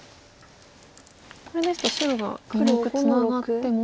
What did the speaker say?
これですと白が２目ツナがっても。